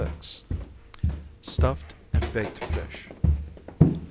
_Stuffed and Baked Fish.